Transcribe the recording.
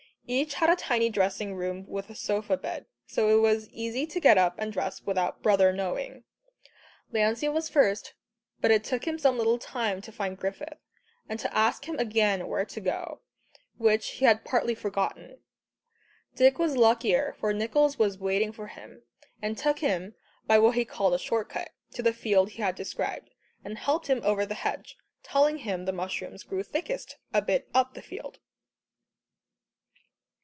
Each had a tiny dressing room with a sofa bed, so it was easy to get up and dress without "brother" knowing. Lancey was first, but it took him some little time to find Griffith, and to ask him again where to go, which he had partly forgotten. Dick was luckier, for Nicholls was waiting for him, and took him by what he called a short cut, to the field he had described, and helped him over the hedge, telling him the mushrooms grew thickest "a bit up the field."